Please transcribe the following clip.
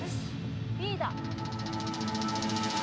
Ｂだ。